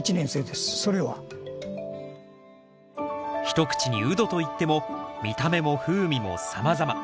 一口にウドといっても見た目も風味もさまざま。